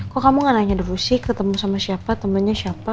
kok kamu ga nanya durusi ketemu sama siapa temennya siapa